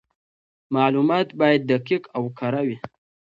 معلومات باید دقیق او کره وي.